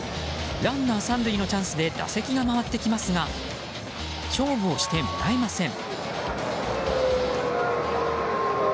ランナー３塁のチャンスで打席が回ってきますが勝負をしてもらえません。